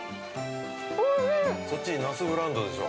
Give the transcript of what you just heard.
◆そっち那須ブランドでしょ？